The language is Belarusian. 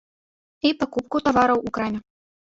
І пакупку тавараў у краме.